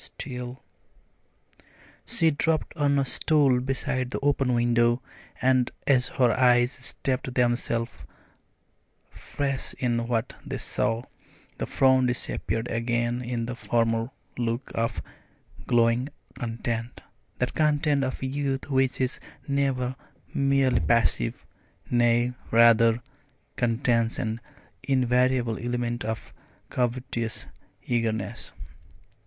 Still " She dropped on a stool beside the open window, and as her eyes steeped themselves afresh in what they saw, the frown disappeared again in the former look of glowing content that content of youth which is never merely passive, nay, rather, contains an invariable element of covetous eagerness.